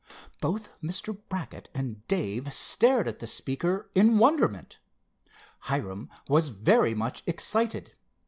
Both Mr. Brackett and Dave stared at the speaker in wonderment. Hiram was very much excited.